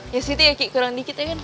ya sih itu ya ki kurang dikit ya kan